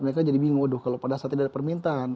mereka jadi bingung aduh kalau pada saat tidak ada permintaan